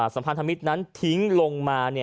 สัมพันธมิตรนั้นทิ้งลงมา